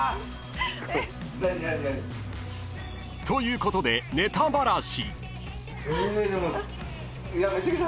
［ということでネタバラし］